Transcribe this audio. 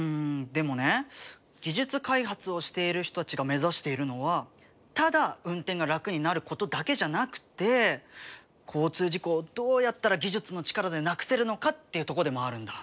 でもね技術開発をしている人たちが目指しているのはただ運転が楽になることだけじゃなくて交通事故をどうやったら技術の力で無くせるのかっていうとこでもあるんだ。